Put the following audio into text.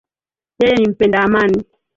Yeye ni mpenda amani